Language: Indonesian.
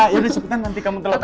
yaudah cepetan nanti kamu telah